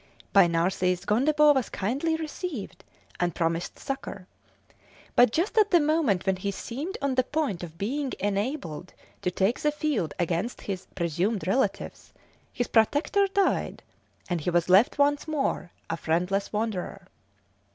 By Narses, Gondebaud was kindly received and promised succour; but just at the moment when he seemed on the point of being enabled to take the field against his presumed relatives, his protector died, and he was left once more a friendless wanderer.